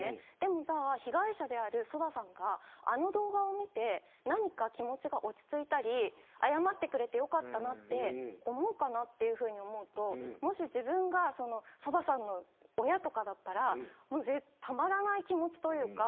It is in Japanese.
じゃあ、被害者であるＳＯＤＡさんがあの動画を見て何か気持ちが落ち着いたり謝ってくれてよかったなって思うかなっていうふうに思うともし自分がＳＯＤＡさんの親とかだったらたまらない気持ちというか。